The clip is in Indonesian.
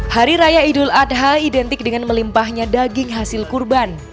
hari raya idul adha identik dengan melimpahnya daging hasil kurban